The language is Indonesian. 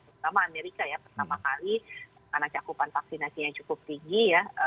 terutama amerika ya pertama kali karena cakupan vaksinasi yang cukup tinggi ya